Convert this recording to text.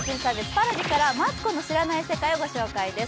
Ｐａｒａｖｉから「マツコの知らない世界」をご紹介です。